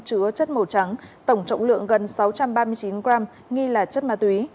chứa chất màu trắng tổng trọng lượng gần sáu trăm ba mươi chín gram nghi là chất ma túy